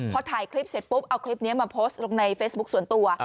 พอถ่ายคลิปเสร็จปุ๊บเอาคลิปนี้มาโพสต์ลงในเฟซบุ๊คส่วนตัว